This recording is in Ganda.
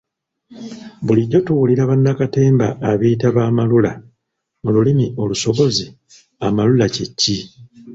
Bulijjo tuwulira bannakatemba abeeyita ba 'amalula' mu lulimi olusogozi amalula kye ki?